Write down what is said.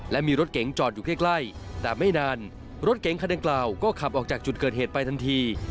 และมีรถเก๋งจอดอยู่ใกล้แต่ไม่นานรถเก๋งคันดังกล่าวก็ขับออกจากจุดเกิดเหตุไปทันที